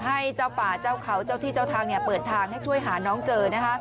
ให้เจ้าป่าเจ้าเขาเจ้าที่เจ้าทางเปิดทางให้ช่วยหาน้องเจอนะคะ